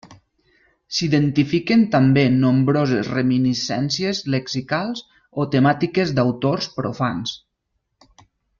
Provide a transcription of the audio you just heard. S'identifiquen també nombroses reminiscències lexicals o temàtiques d'autors profans.